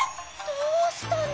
どうしたの！？